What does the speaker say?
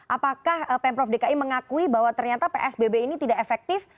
apakah pemprov dki mengakui bahwa ternyata psbb ini tidak efektif